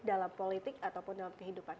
dalam politik ataupun dalam kehidupan